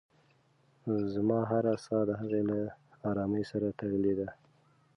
زما هره ساه د هغې له ارامۍ سره تړلې ده.